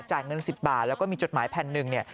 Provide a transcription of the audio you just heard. เงิน๑๐บาทแล้วก็มีจดหมายแผ่นหนึ่งเนี่ย